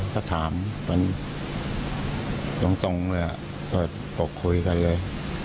ก็ถามตรงเลยบอกคุยกันเลย